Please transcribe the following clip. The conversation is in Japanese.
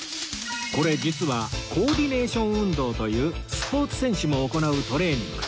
これ実はコーディネーション運動というスポーツ選手も行うトレーニング